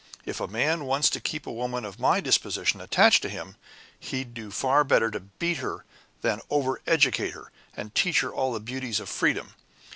If a man wants to keep a woman of my disposition attached to him, he'd do far better to beat her than over educate her, and teach her all the beauties of freedom.